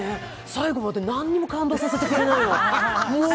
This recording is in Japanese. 最後まで全然感動させてくれないの。